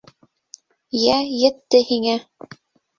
— Йә, етте һиңә.